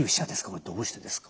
これどうしてですか？